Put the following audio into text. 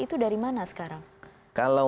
itu dari mana sekarang kalau